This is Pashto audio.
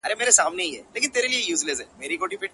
ستا کوڅهٔ کې مــــــــې یؤ ړنګ غــــــــوندې مزار وی